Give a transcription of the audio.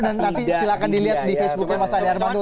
dan nanti silahkan dilihat di facebooknya mas adi armando